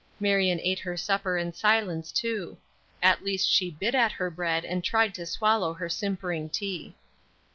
Marion ate her supper in silence, too; at least she bit at her bread and tried to swallow her simpering tea.